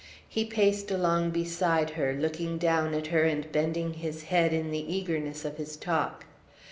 He paced along beside her, looking down at her and bending his head in the eagerness of his talk.